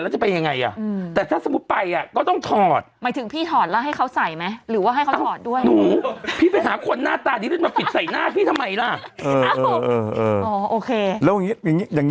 จริงคือมันไม่รู้จริง